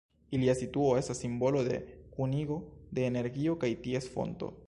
Ilia situo estas simbolo de kunigo de energio kaj ties fonto.